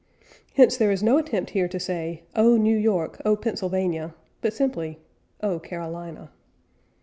Hence there is no attempt here to say, "O New York, O Pennsylvania," but simply, "O Carolina."